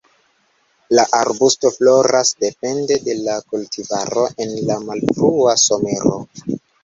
La arbusto floras depende de la kultivaro en la malfrua somero.